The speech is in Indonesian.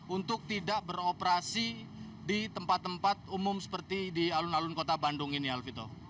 untuk tidak beroperasi di tempat tempat umum seperti di alun alun kota bandung ini alvito